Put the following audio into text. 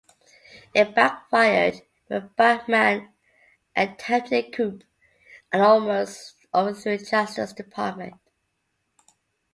It backfired when Bachmann attempted a coup and almost overthrew Justice Department.